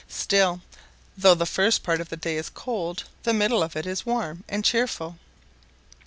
Still, though the first part of the day is cold, the middle of it is warm and cheerful.